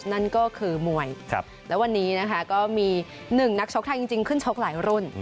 นั่นก็คือมวยแล้ววันนี้ก็มีหนึ่งนักช็อกทางจริงขึ้นช็อกหลายรุ่น